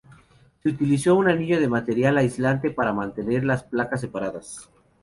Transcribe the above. Se utilizó un anillo de material aislante para mantener las placas separadas.